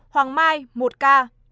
hoàng mai một ca